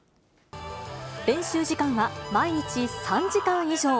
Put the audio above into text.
練習時間は毎日３時間以上。